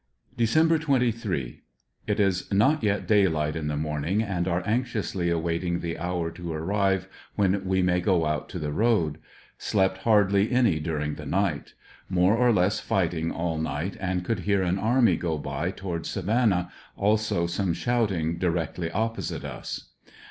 Dec. 28. — It is not yet daylight in the morning, and are anxiously awaiting the hour to arrive when we may go out to the road. Slept hardly any during the night. More or less fighting all night, and could hear an army go by toward Savannah, also some shouttng di rectl}^ opposite us.